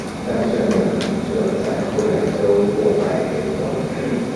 但这两者在后来都落败给柏林。